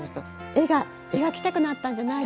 絵が描きたくなったんじゃないですか？